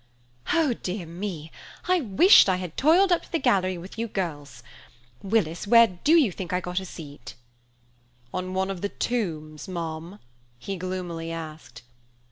" Oh, dear me! I wished I had toiled up to the gallery with you, girls. Willis, where do you think I got a seat?" "On one of the tombs, ma'am?" he gloomily asked.